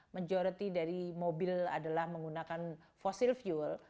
majority dari mobil adalah menggunakan fossil fuel